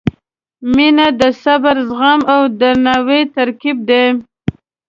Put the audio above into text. • مینه د صبر، زغم او درناوي ترکیب دی.